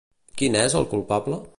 Quin és el culpable?